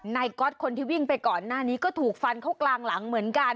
ก๊อตคนที่วิ่งไปก่อนหน้านี้ก็ถูกฟันเข้ากลางหลังเหมือนกัน